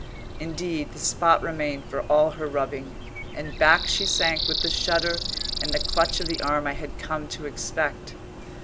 Indeed, the spot remained for all her rubbing, and back she sank with the shudder and the clutch of the arm I had come to expect.